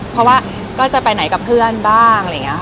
เพราะว่าก็จะไปไหนกับเพื่อนบ้างอะไรอย่างนี้ค่ะ